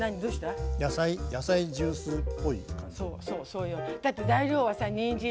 野菜ジュースっぽい感じ。